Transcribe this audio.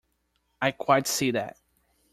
I quite see that.